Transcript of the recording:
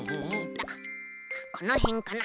このへんかな？